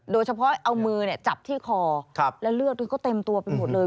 โดยเฉพาะเอามือจับที่คอและเลือดก็เต็มตัวไปหมดเลย